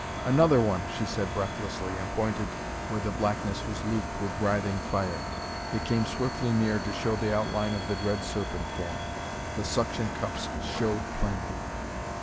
"Another one!" she said breathlessly, and pointed where the blackness was looped with writhing fire. It came swiftly near to show the outline of the dread serpent form; the suction cups showed plainly.